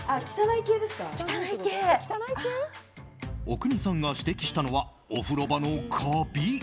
阿国さんが指摘したのはお風呂場のカビ。